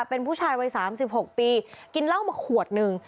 เป็นผู้ชายวัย๓๖ปีกินเหล้ามาขวดหนึ่ง